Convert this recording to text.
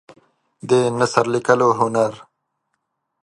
د نثر لیکلو هنر